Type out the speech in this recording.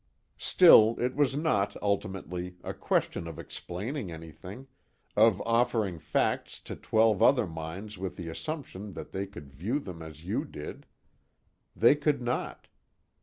Still it was not, ultimately, a question of explaining anything, of offering facts to twelve other minds with the assumption that they could view them as you did. They could not.